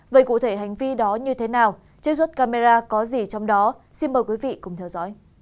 vậy cụ thể hành vi đó như thế nào trích xuất camera có gì trong đó xin mời quý vị cùng theo dõi